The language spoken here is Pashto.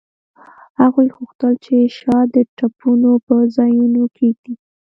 هغوی غوښتل چې شات د ټپونو په ځایونو کیږدي